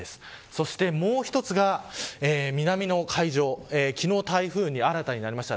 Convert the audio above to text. そして、もう一つが南の海上昨日台風に新たになりました